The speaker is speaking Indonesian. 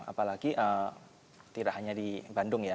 apalagi tidak hanya di bandung ya